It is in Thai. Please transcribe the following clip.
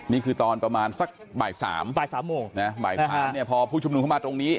นี่คือตอนประมาณสักบ่ายสามบ่ายสามโมงนะบ่ายสามเนี่ยพอผู้ชุมนุมเข้ามาตรงนี้